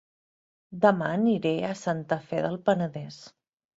Dema aniré a Santa Fe del Penedès